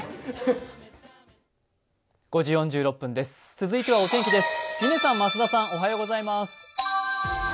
続いては、お天気です。